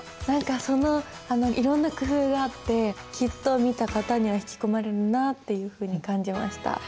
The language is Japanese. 何かそのいろんな工夫があってきっと見た方には引き込まれるなというふうに感じました。